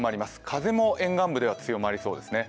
風も沿岸部では強まりそうですね。